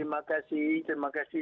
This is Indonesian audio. terima kasih terima kasih